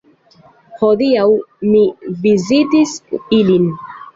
Hodiaŭ mi vizitis ilin.